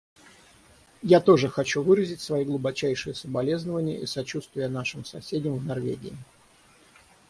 Я тоже хочу выразить свои глубочайшие соболезнования и сочувствие нашим соседям в Норвегии.